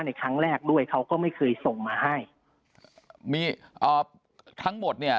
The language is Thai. ในครั้งแรกด้วยเขาก็ไม่เคยส่งมาให้มีอ่าทั้งหมดเนี่ย